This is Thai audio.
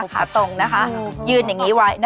แปด